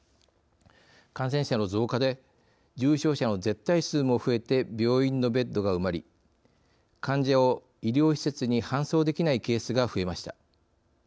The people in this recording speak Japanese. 感染者の増加で重症者の絶対数も増えて病院のベッドが埋まり患者を医療施設に搬送できないケースが増えました。